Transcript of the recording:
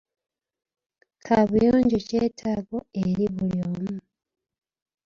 Kaabuyonjo kyetaago eri buli muntu.